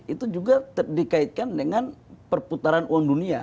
itu juga dikaitkan dengan perputaran uang dunia